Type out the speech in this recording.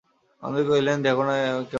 আনন্দময়ী কহিলেন, কেমন না হয় দেখব।